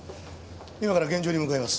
今から現場に向かいます。